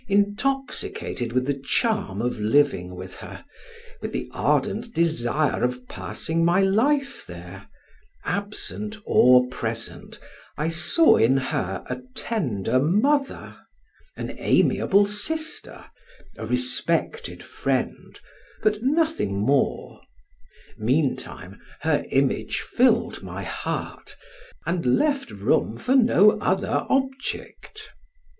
Intoxicated with the charm of living with her, with the ardent desire of passing my life there, absent or present I saw in her a tender mother, an amiable sister, a respected friend, but nothing more; meantime, her image filled my heart, and left room far no other object.